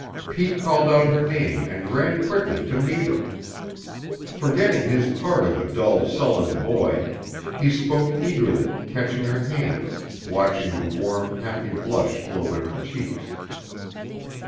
Pete called out her name and ran quickly to meet her. Forgetting his part of a dull, sullen boy, he spoke eagerly, catching her hand, watching the warm, happy blush flow in her cheeks.